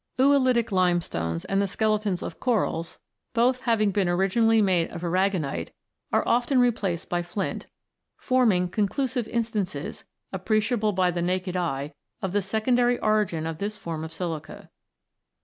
Oolitic limestones and the skeletons of corals, both having been originally made of aragonite, are often replaced by flint, forming conclusive instances, appreciable by the naked eye, of the secondary origin of this form of silica.